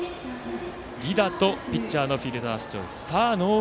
犠打とピッチャーのフィルダースチョイス。